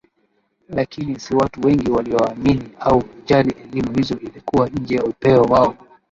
Lakini si watu wengi walioamini au kujali elimu hizo ilikuwa nje ya upeo wao